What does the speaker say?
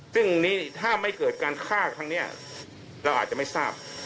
ซึ่งนี่ถ้าไม่เกิดการฆ่าครั้งนี้เราอาจจะไม่ทราบ